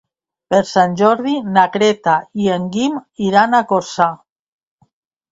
Per Sant Jordi na Greta i en Guim iran a Corçà.